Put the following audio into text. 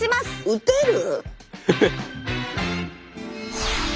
打てる？